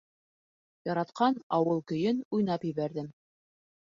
Яратҡан «Ауыл көйө» н уйнап ебәрҙем.